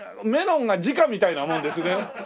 メロンが時価みたいなもんですね。